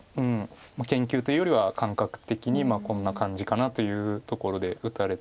研究というよりは感覚的にこんな感じかなというところで打たれた。